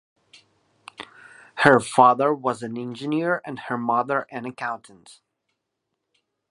Her father was an engineer and her mother an accountant.